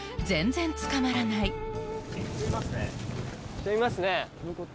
人いますね。